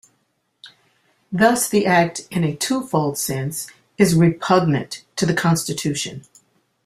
Thus the act in a two-fold sense is repugnant to the Constitution.